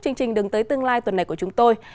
chương trình đường tới tương lai tuần này của chúng tôi